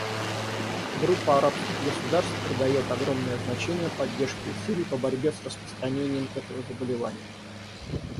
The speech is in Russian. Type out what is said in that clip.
Группа арабских государств придает огромное значение поддержке усилий по борьбе с распространением этого заболевания.